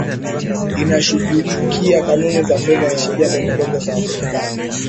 inashughulikia kanuni za fedha na sheria ndogo ndogo za wafanyakazi